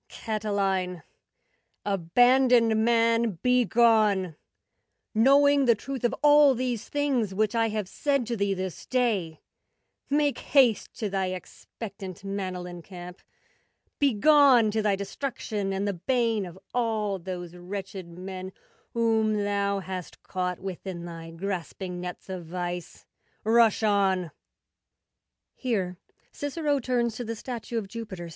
Catiline, abandoned man, begone! Knowing the truth of all these things Which I have said to thee this day. Make haste ! To thy expectant Manlian camp— Begone! To thy destruction and the bane Of all those wretched men Whom thou hast caught Within thy grasping nets of vice— Rush on!